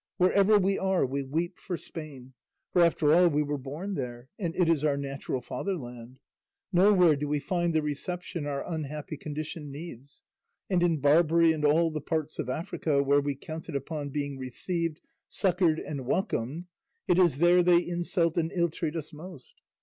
Wherever we are we weep for Spain; for after all we were born there and it is our natural fatherland. Nowhere do we find the reception our unhappy condition needs; and in Barbary and all the parts of Africa where we counted upon being received, succoured, and welcomed, it is there they insult and ill treat us most.